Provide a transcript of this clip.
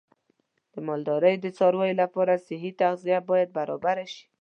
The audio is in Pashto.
د مالدارۍ د څارویو لپاره صحي تغذیه باید برابر شي.